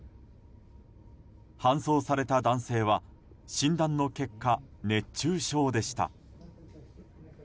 搬送された男性は診断の結果、熱中症でした。